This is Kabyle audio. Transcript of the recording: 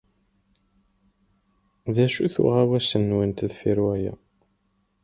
D acu-t uɣawas-nwent deffir waya?